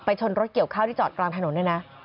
ชนรถเกี่ยวข้าวที่จอดกลางถนนเนี่ยนะ